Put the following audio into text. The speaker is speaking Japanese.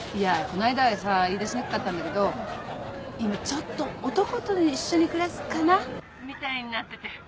こないだはさ言いだしにくかったんだけど今ちょっと男と一緒に暮らすかなみたいになってて。